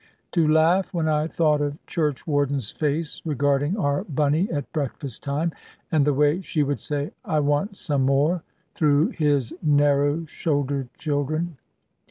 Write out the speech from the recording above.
To laugh, when I thought of Churchwarden's face regarding our Bunny at breakfast time, and the way she would say, "I want some more," through his narrow shouldered children.